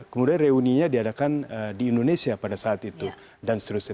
kemudian reuninya diadakan di indonesia pada saat itu dan seterusnya